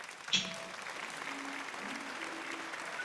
克隆泰尔湖是瑞士最老的水库。